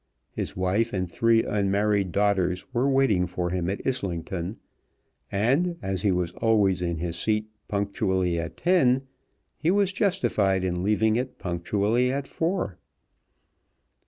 His wife and three unmarried daughters were waiting for him at Islington, and as he was always in his seat punctually at ten, he was justified in leaving it punctually at four.